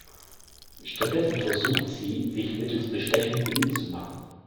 Stattdessen versucht sie, sich mittels Bestechung beliebt zu machen.